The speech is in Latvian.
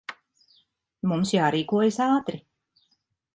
Mums jārīkojas ātri.